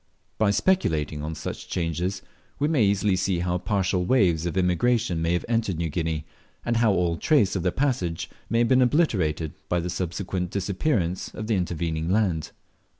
By speculating on such changes, we may easily see how partial waves of immigration may have entered New Guinea, and how all trace of their passage may have been obliterated by the subsequent disappearance of the intervening land.